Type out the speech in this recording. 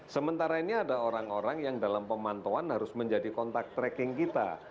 sementara ini ada orang orang yang dalam pemantauan harus menjadi kontak tracking kita